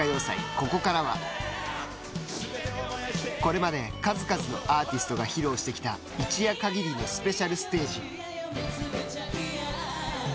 ここからはこれまで数々のアーティストが披露してきた一夜限りのスペシャルステージ。